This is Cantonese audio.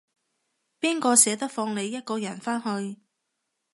邊個捨得放你一個人返去